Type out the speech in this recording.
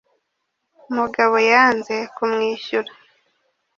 "Umugabo yanze kumwishyura